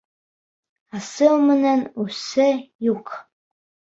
Асыу менән үсе юҡ.